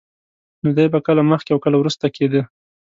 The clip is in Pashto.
نو دی به کله مخکې او کله وروسته کېده.